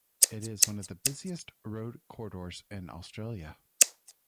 It is one of the busiest road corridors in Australia.